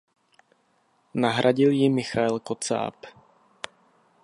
Nahradil ji Michael Kocáb.